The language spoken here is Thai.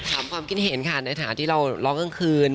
ถามความกินเห็นในสถานที่เราร้องกลางคืน